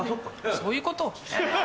そういうこと。